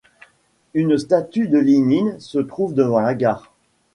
Une statue de Lénine se trouve devant la gare.